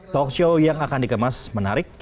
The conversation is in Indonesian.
talk show yang akan dikemas menarik